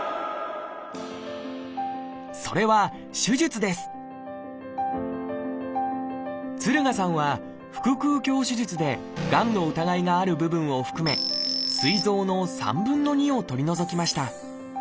それは「手術」です敦賀さんは腹腔鏡手術でがんの疑いがある部分を含めすい臓の３分２を取り除きました。